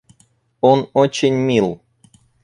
Он очень мил.